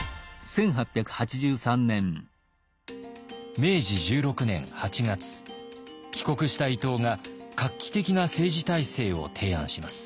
明治１６年８月帰国した伊藤が画期的な政治体制を提案します。